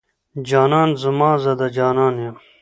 جانان زما، زه د جانان يم